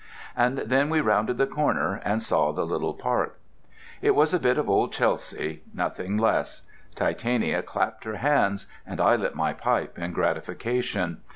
And then we rounded the corner and saw the little park. It was a bit of old Chelsea, nothing less. Titania clapped her hands, and I lit my pipe in gratification.